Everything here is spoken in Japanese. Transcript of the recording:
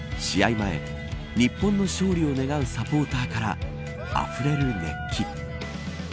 前、日本の勝利を願うサポーターからあふれる熱気。